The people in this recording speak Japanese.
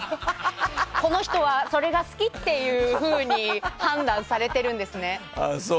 この人はそれが好きっていうふうに判断されてるんですね。